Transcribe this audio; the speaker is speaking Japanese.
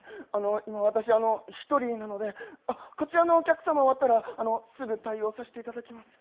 今、私１人なのでこちらのお客様終わったらすぐ対応させていただきます。